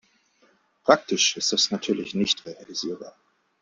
Praktisch ist das natürlich nicht realisierbar.